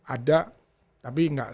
ada tapi enggak